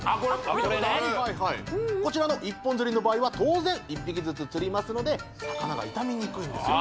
これねこちらの一本釣りの場合は当然一匹ずつ釣りますので魚が傷みにくいんですよ